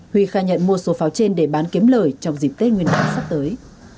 huy khai nhận mua số pháo trên để bán kiếm lời trong dịp tết nguyên đán sắp tới